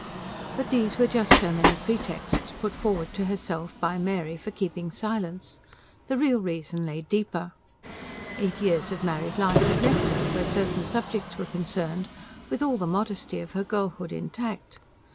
But these were just so many pretexts put forward to herself by Mary for keeping silence; the real reason lay deeper. Eight years of married life had left her, where certain subjects were concerned, with all the modesty of her girlhood intact.